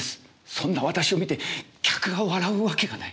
そんな私を見て客が笑うわけがない。